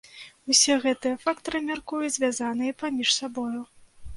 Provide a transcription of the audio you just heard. Усе гэтыя фактары, мяркую, звязаныя паміж сабою.